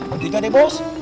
begitu deh bos